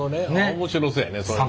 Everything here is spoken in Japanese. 面白そうやねそれもね。